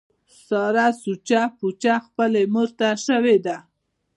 ساره سوچه پوچه خپلې مورته شوې ده.